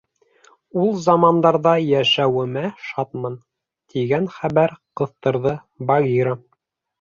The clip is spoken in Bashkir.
— Ул замандарҙа йәшәмәүемә шатмын, — тигән хәбәр ҡыҫтырҙы Багира.